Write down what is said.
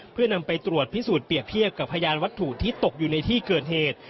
เพื่อนำไปตรวจพิสูจน์เปรียบเทียบกับพยานวัตถุที่ตกอยู่ในที่เกิดเหตุ